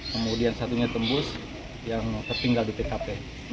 kemudian satunya tembus yang tertinggal di tkp